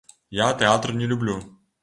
Я тэатр не люблю.